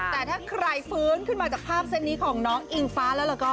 แต่ถ้าใครฟื้นขึ้นมาจากภาพเส้นนี้ของน้องอิงฟ้าแล้วก็